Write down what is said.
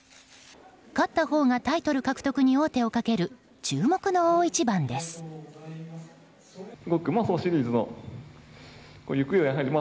勝ったほうがタイトル獲得に王手をかける注目の大一番です。